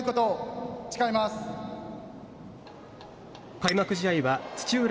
開幕試合は土浦